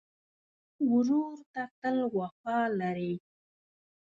ورور ته تل وفا لرې.